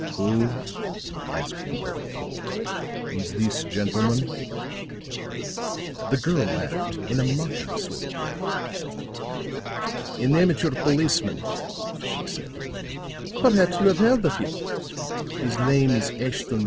"Who," asked the elder Pole, "is this gentleman?" The girl laughed in a mocking sort of way. "An amateur policeman," she said. "Perhaps you have heard of him. His name is Ashton Kirk."